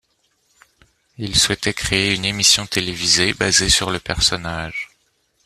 Il souhaitait créer une émission télévisée basée sur le personnage.